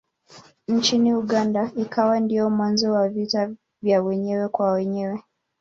Nchini Uganda ikawa ndiyo mwanzo wa vita vya wenyewe kwa wenyewe.